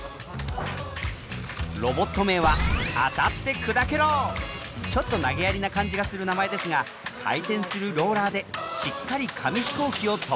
ロボット名はちょっと投げやりな感じがする名前ですが回転するローラーでしっかり紙飛行機を飛ばします。